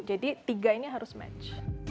jadi tiga ini harus match